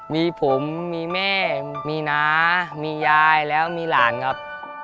มีผมมีแม่มีน้ามียายแล้วมีหลานครับ